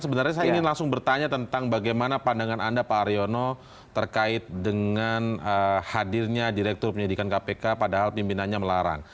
sebenarnya saya ingin langsung bertanya tentang bagaimana pandangan anda pak aryono terkait dengan hadirnya direktur penyidikan kpk padahal pimpinannya melarang